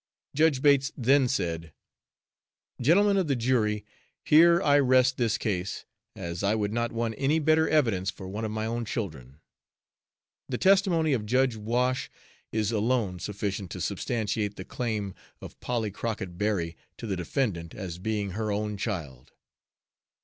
Judge Bates then said: "Gentlemen of the jury, here I rest this case, as I would not want any better evidence for one of my own children. The testimony of Judge Wash is alone sufficient to substantiate the claim of Polly Crockett Berry to the defendant as being her own child."